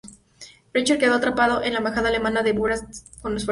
Richter quedó atrapado en la Embajada alemana en Bucarest por las fuerzas realistas.